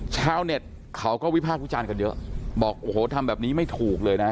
ชาวเน็ตเขาก็วิพากษ์วิจารณ์กันเยอะบอกโอ้โหทำแบบนี้ไม่ถูกเลยนะ